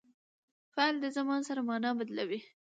فعل د زمان سره مانا بدلوي.